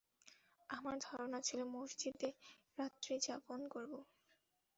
আমার ধারণা ছিল মসজিদে রান্ত্রি যাপন করব।